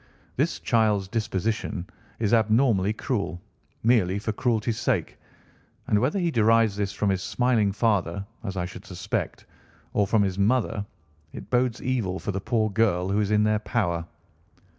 This child's disposition is abnormally cruel, merely for cruelty's sake, and whether he derives this from his smiling father, as I should suspect, or from his mother, it bodes evil for the poor girl who is in their power."